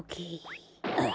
あっ。